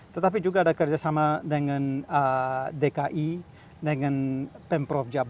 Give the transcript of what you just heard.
tetapi juga ada kerjasama dengan dki dengan pemprov jabar dengan pemprov jatim